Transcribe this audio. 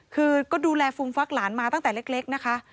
คือก็ดูแลฟูมฟักหลานมาตั้งแต่เล็กนะคะ